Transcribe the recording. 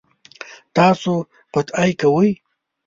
تاسو قطعی کوئ؟